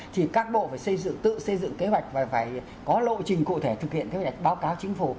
thì các bộ phải xây dựng tự xây dựng kế hoạch và phải có lộ trình cụ thể thực hiện kế hoạch báo cáo chính phủ